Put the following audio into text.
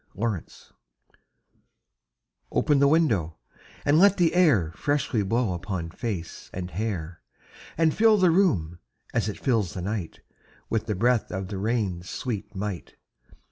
Nelson] OPEN the window, and let the air Freshly blow upon face and hair, And fill the room, as it fills the night, With the breath of the rain's sweet might.